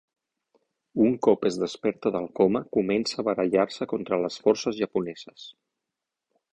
Un cop es desperta del coma, comença a barallar-se contra les forces japoneses.